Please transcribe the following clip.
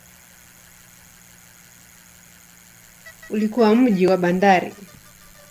Ulikuwa mji wa bandari.